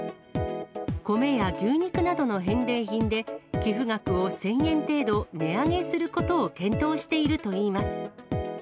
米や牛肉などの返礼品で、寄付額を１０００円程度値上げすることを検討しているといいます。